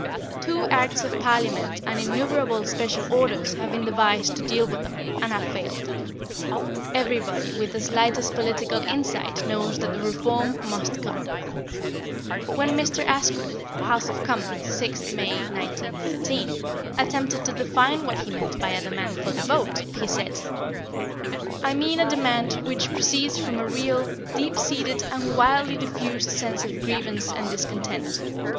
Two Acts of Parliament and innumerable special orders have been devised to deal with them, and have failed. Everybody with the slightest political insight knows that the reform must come. When Mr. Asquith (House of Commons, 6th May 1913) attempted to define what he meant by a demand for the vote, he said— "I mean a demand which proceeds from a real, deep seated, and widely diffused sense of grievance and discontent.